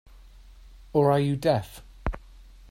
Or are you deaf?